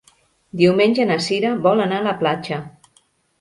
Diumenge na Sira vol anar a la platja.